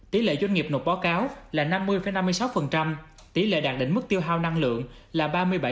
tỷ lệ doanh nghiệp nộp báo cáo là năm mươi năm mươi sáu tỷ lệ đạt đỉnh mức tiêu hào năng lượng là ba mươi bảy chín mươi chín